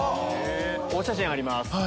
お写真あります。